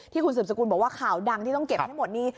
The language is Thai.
ที่คุณสืบสกุลบอกว่าข่าวดังที่ต้องเก็บให้หมดนี่